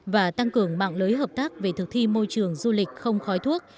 và tăng cường mạng lưới hợp tác về thực thi môi trường du lịch không khói thuốc